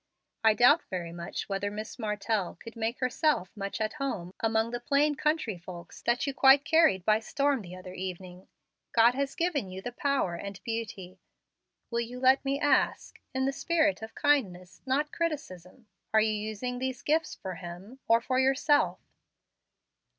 I doubt very much whether Miss Martell could make herself much at home among the plain country folk that you quite carried by storm the other evening. God has given you the power and beauty. Will you let me ask, in the spirit of kindness, not criticism, Are you using these gifts for Him, or for yourself?"